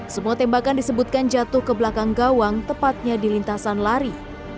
semua tembakan disebutkan jatuh ke belakang gawang tepatnya di lintasan lari